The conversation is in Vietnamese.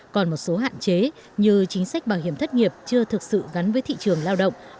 còn một số hạn chế như chính sách bảo hiểm thất nghiệp chưa thực sự gắn với thị trường lao động